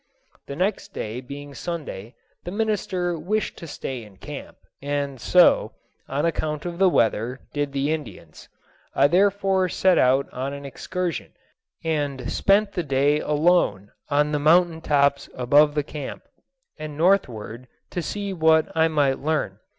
The next day being Sunday, the minister wished to stay in camp; and so, on account of the weather, did the Indians. I therefore set out on an excursion, and spent the day alone on the mountain slopes above the camp, and northward, to see what I might learn.